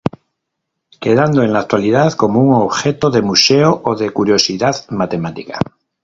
Quedando en la actualidad como un objeto de museo, o de curiosidad matemática.